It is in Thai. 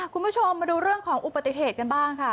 คุณผู้ชมมาดูเรื่องของอุบัติเหตุกันบ้างค่ะ